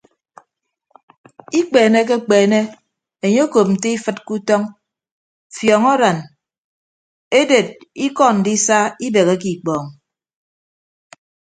Ikpeenekekpeene enye okop nte ifịd ke utọñ fiọñaran eded ikọ ndisa ibeheke ikpọñ.